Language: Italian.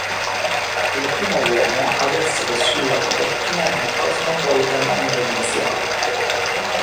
È il primo uomo ad essere sulla copertina di "Cosmopolitan Indonesia".